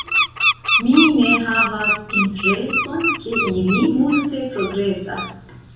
Mi ne havas impreson, ke ili multe progresas.